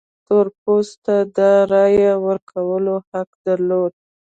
تور پوستو ته د رایې ورکولو حق درلود.